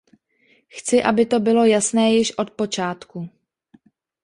Chci, aby to bylo jasné již od počátku.